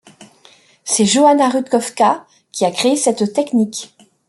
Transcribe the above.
C'est Joanna Rutkowska qui a créé cette technique.